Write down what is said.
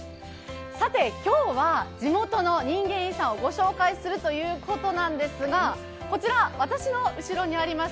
さて、今日は地元の人間遺産をご紹介するということなんですがこちら私の後ろにあります